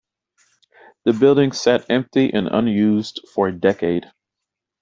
The buildings sat empty and unused for a decade.